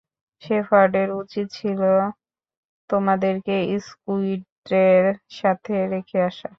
শেফার্ডের উচিৎ ছিল তোমাদেরকে স্কুইডদের সাথে রেখে আসা।